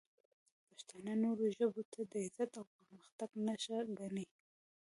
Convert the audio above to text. پښتانه نورو ژبو ته د عزت او پرمختګ نښه ګڼي.